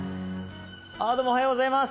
あどうもおはようございます。